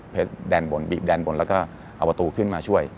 แดนบนบีบแดนบนแล้วก็เอาประตูขึ้นมาช่วย